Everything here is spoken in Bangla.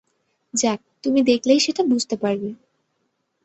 যাক, তুমি দেখলেই সেটা বুঝতে পারবে।